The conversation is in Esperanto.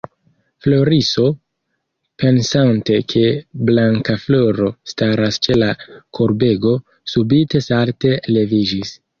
Floriso, pensante ke Blankafloro staras ĉe la korbego, subite salte leviĝis.